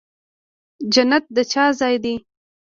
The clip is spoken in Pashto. جنت د چا ځای دی؟